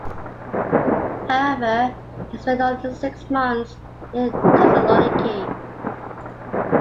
However, he spent only six months in Thessaloniki.